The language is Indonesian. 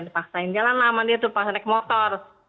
dia paksain jalan lama dia tuh paksa naik motor